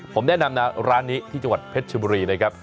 ผมแนะนำนะร้านนี้ที่จังหวัดเพชรชบุรีนะครับ